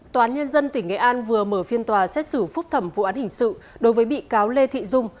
tòa án nhân dân tỉnh nghệ an vừa mở phiên tòa xét xử phúc thẩm vụ án hình sự đối với bị cáo lê thị dung